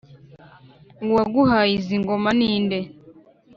uwaguhaye izi ngoma ninde